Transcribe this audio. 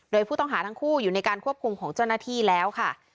โดยผู้ต้องหาทั้งคู่อยู่ในการควบคุมของเจ้าหน้าที่แล้วค่ะ